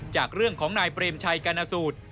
จากเรื่องของนายเปรมชัยกรณสูตร